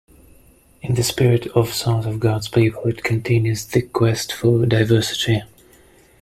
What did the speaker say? In the spirit of "Songs of God's People" it continues the quest for diversity.